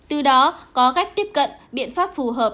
từ đó có cách tiếp cận biện pháp phù hợp